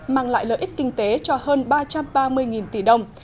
mang lại lợi ích kinh tế cho hơn ba trăm ba mươi tỷ đồng